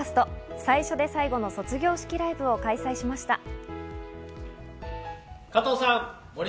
最初で最後の卒業式ライブを開催しました。